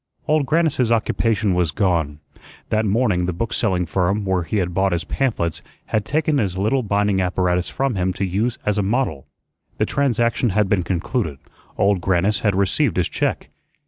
Old Grannis's occupation was gone. That morning the bookselling firm where he had bought his pamphlets had taken his little binding apparatus from him to use as a model. The transaction had been concluded. Old Grannis had received his check.